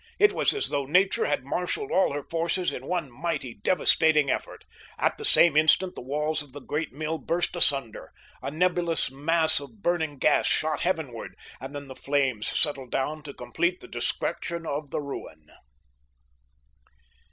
It was as though nature had marshaled all her forces in one mighty, devastating effort. At the same instant the walls of the great mill burst asunder, a nebulous mass of burning gas shot heavenward, and then the flames settled down to complete the destruction of the ruin.